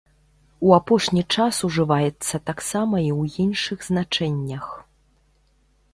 У апошні час ужываецца таксама і ў іншых значэннях.